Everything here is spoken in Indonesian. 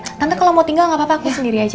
nanti kalau mau tinggal gak apa apa aku sendiri aja